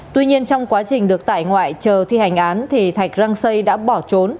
tuy nhiên trong quá trình được tải ngoại chờ thi hành án thạch răng xây đã bỏ trốn